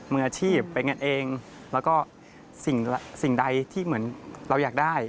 มืออาชีพเป็นกันเองแล้วก็สิ่งใดที่เหมือนเราอยากได้